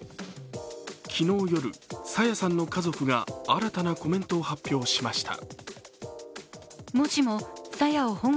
昨日夜、朝芽さんの家族が新たなコメントを発表しました。